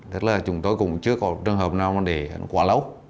thế là chúng tôi cũng chưa có trường hợp nào mà để quá lâu